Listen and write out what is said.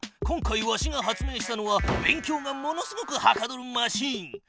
今回わしが発明したのは勉強がものすごくはかどるマシーン。